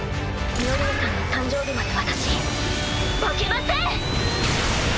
ミオリネさんの誕生日まで私負けません！